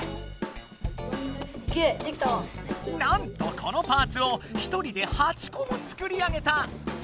なんとこのパーツを１人で８こも作り上げた！